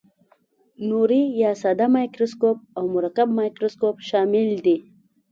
نوري یا ساده مایکروسکوپ او مرکب مایکروسکوپ شامل دي.